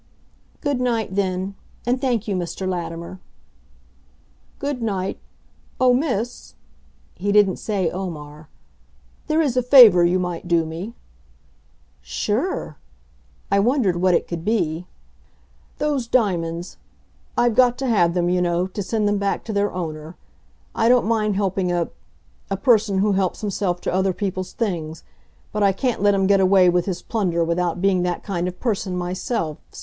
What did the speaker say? "Good night, then, and thank you, Mr. Latimer." "Good night.... Oh, Miss " He didn't say "Omar" "there is a favor you might do me." "Sure!" I wondered what it could be. "Those diamonds. I've got to have them, you know, to send them back to their owner. I don't mind helping a a person who helps himself to other people's things, but I can't let him get away with his plunder without being that kind of person myself.